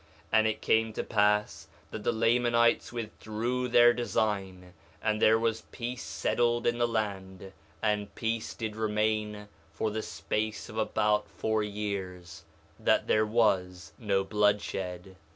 1:12 And it came to pass that the Lamanites withdrew their design, and there was peace settled in the land; and peace did remain for the space of about four years, that there was no bloodshed.